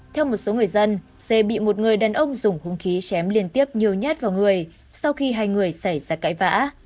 theo một số người dân xê bị một người đàn ông dùng hung khí chém liên tiếp nhiều nhát vào người sau khi hai người xảy ra cãi vã